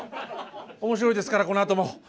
面白いですからこのあとも。